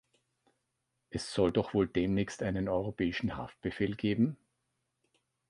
Es soll doch wohl demnächst einen europäischen Haftbefehl geben?